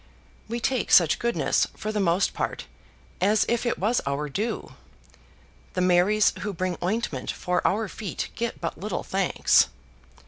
We take such goodness, for the most part, as if it was our due; the Marys who bring ointment for our feet get but little thanks.